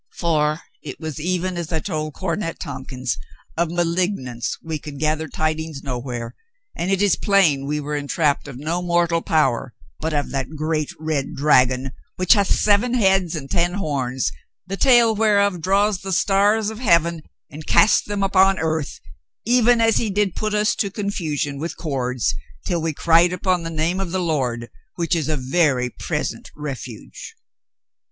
For it was even as I told Cornet Tompkins, of malignants we could gather tidings nowhere, and it is plain we were en trapped of no mortal power, but of that great red dragon which hath seven heads and ten horns, the tail whereof draws the stars of heaven and casts them upon earth, even as he did put us to confusion with cords till we cried upon the name of the Lord, which is a very present refuge."